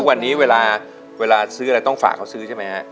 วันนี้เวลาซื้ออะไรต้องฝากเขาซื้อใช่ไหมฮะ